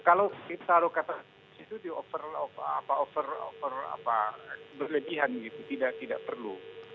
kalau kita taruh kata cuti itu di over apa over apa berlebihan gitu